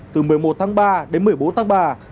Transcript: từ một mươi một tháng ba đến một mươi bốn tháng ba